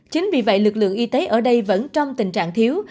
chính vì vậy lực lượng y tế ở đây vẫn trong tình trạng thiếu